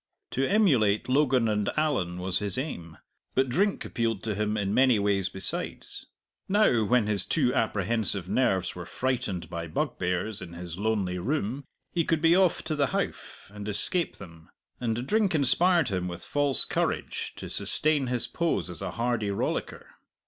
To emulate Logan and Allan was his aim. But drink appealed to him in many ways besides. Now when his too apprehensive nerves were frightened by bugbears in his lonely room he could be off to the Howff and escape them. And drink inspired him with false courage to sustain his pose as a hardy rollicker.